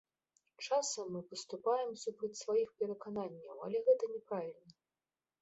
Часам мы паступаем супраць сваіх перакананняў, але гэта не правільна.